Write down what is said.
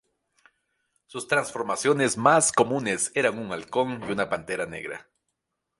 Sus transformaciones más comunes eran un halcón y una pantera negra.